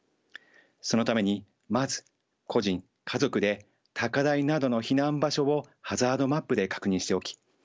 そのためにまず個人家族で高台などの避難場所をハザードマップで確認しておき